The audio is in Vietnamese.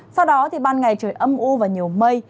sau đó ban ngày trời ấm u và nhiều mây